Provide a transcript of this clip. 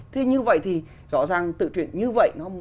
thế như vậy thì rõ ràng tự chuyện như vậy